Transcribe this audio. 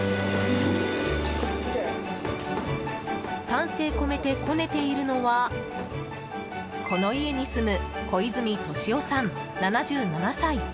丹精込めて、こねているのはこの家に住む小泉俊雄さん、７７歳。